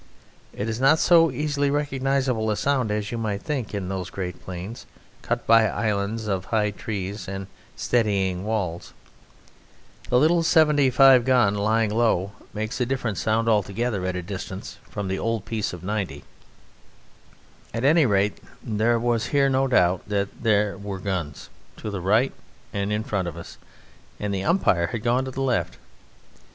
It is not so easily recognizable a sound as you might think in those great plains cut by islands of high trees and steading walls. The little "75" gun lying low makes a different sound altogether at a distance from the old piece of "90." At any rate there was here no doubt that there were guns to the right and in front of us, and the umpire had gone to the left.